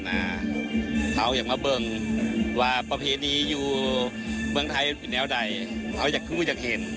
หรือว่ายังไม่เสียแรงที่เข้ามา